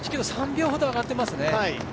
１ｋｍ、３秒ほど上がっていますね。